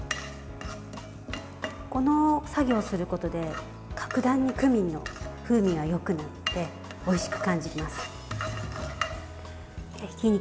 この作業をすることで格段にクミンの風味がよくなっておいしく感じます。